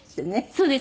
そうです。